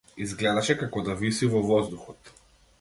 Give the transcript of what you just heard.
Изгледаше како да виси во воздухот.